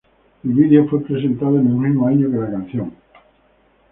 El video fue presentado en el mismo año que la canción.